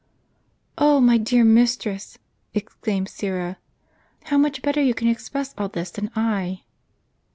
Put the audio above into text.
"" 0 my dear mistress," exclaimed Syra, "how much better you can express all this than I